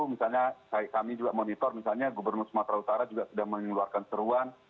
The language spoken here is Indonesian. misalnya kami juga monitor misalnya gubernur sumatera utara juga sudah mengeluarkan seruan